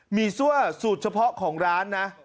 ี่ซั่วสูตรเฉพาะของร้านนะ